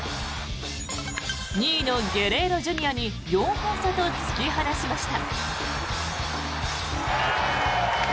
２位のゲレーロＪｒ．に４本差と突き放しました。